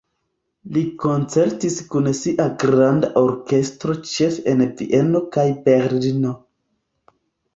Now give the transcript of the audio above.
Li koncertis kun sia granda orkestro ĉefe en Vieno kaj Berlino.